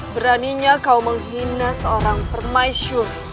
maksudnya kau menghina seorang permaisur